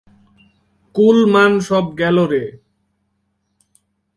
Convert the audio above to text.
কুল-মান সব গেলো রে!